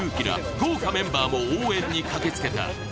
豪華メンバーも応援に駆けつけた。